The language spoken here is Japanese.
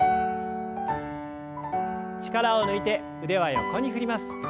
力を抜いて腕は横に振ります。